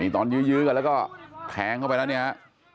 ตอนยื้อกันแล้วก็แทงเข้าไปแล้ว